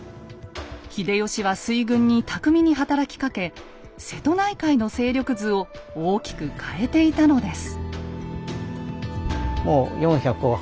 秀吉は水軍に巧みに働きかけ瀬戸内海の勢力図を大きく変えていたのです。